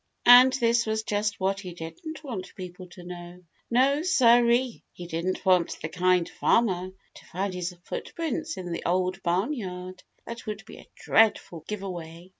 And this was just what he didn't want people to know. No, siree, he didn't want the Kind Farmer to find his footprints in the Old Barn Yard. That would be a dreadful giveaway.